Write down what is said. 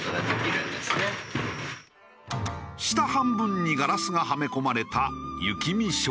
下半分にガラスがはめ込まれた雪見障子